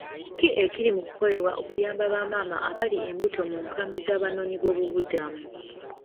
Ki ekiri mu ku kolebwa okuyamba ba maama abali embuto mu nkambi z'abanoonyi b'obubuddamu?